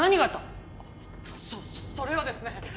そっそれはですね。